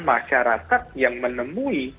masyarakat yang menemui